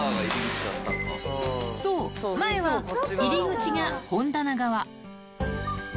そう、前は入り口が本棚側。